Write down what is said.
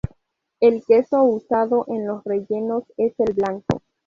El queso usado en los rellenos es el blanco.